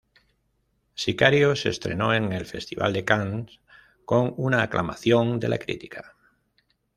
Sicario se estrenó en el Festival de Cannes con una aclamación de la crítica.